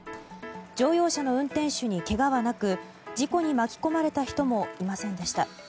乗用車の運転手にけがはなく事故に巻き込まれた人もいませんでした。